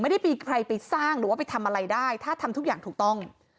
ไม่ได้มีใครไปสร้างหรือว่าไปทำอะไรได้ถ้าทำทุกอย่างถูกต้อง